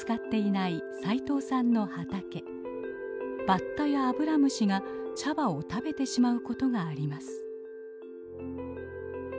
バッタやアブラムシが茶葉を食べてしまうことがあります。